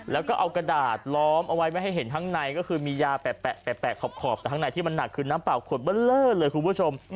แล้วก็เอากระดาษล้อมเอาไว้ไม่ให้เห็นข้างในก็คือมียาแปะขอบแต่ข้างในที่มันหนักคือน้ำเปล่าขดเบอร์เลอร์เลยคุณผู้ชม